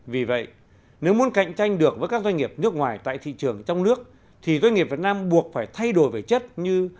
vì vậy nếu muốn cạnh tranh được với các doanh nghiệp nước ngoài tại thị trường trong nước thì doanh nghiệp việt nam buộc phải thay đổi về chất như